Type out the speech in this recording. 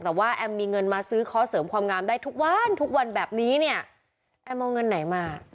แต่ว่าแอมมีเงินมาซื้อเคาะเสริมความงามได้ทุกวันทุกวันแบบนี้เนี่ยแอมเอาเงินไหนมา